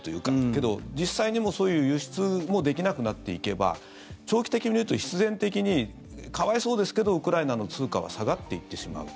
けど、実際にそういう輸出もできなくなっていけば長期的に見ると必然的に、可哀想ですけどウクライナの通貨は下がっていってしまう。